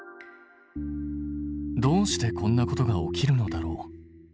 どうしてこんなことが起きるのだろう？